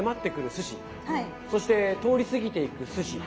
そして通りすぎていくすし。